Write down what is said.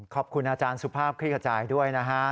ขอบคุณอาจารย์สุภาพคลี่ขจายด้วยนะฮะ